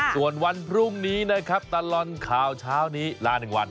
ส่วนวันพรุ่งนี้นะครับตลอดข่าวเช้านี้ลา๑วัน